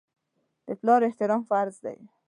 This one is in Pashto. د پلار احترام فرض دی.